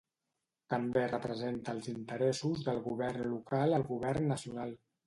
També representa els interessos del govern local al govern nacional.